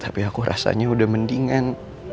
tapi aku rasanya udah mendingan